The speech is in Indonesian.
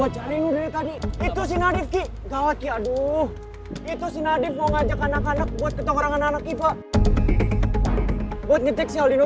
kalau diamcd semakin lem respirasi maka thousand